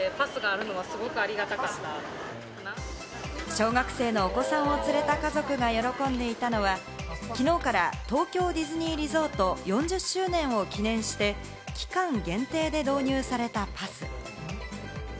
小学生のお子さんを連れた家族が喜んでいたのは、きのうから東京ディズニーリゾート４０周年を記念して期間限定で導入されたパス。